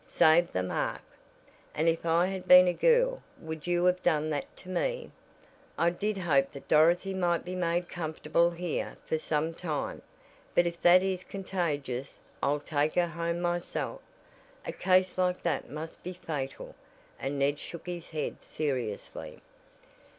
Save the mark! And if I had been a girl would you have done that to me? I did hope that Dorothy might be made comfortable here for some time, but if that is contagious I'll take her home myself. A case like that must be fatal," and Ned shook his head seriously.